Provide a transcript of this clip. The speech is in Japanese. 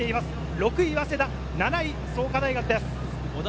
６位・早稲田、７位・創価大学です。